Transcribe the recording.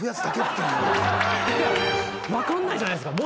分かんないじゃないですか！